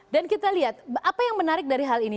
dan kita lihat apa yang menarik dari hal ini